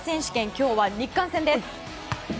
今日は日韓戦です。